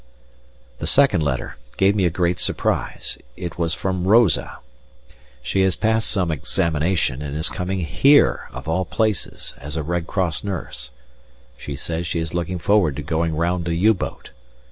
The second letter gave me a great surprise. It was from Rosa. She has passed some examination, and is coming here of all places as a Red Cross nurse. She says she is looking forward to going round a U boat!